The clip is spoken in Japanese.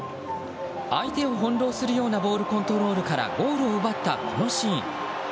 相手を翻弄するようなボールコントロールからゴールを奪った、このシーン。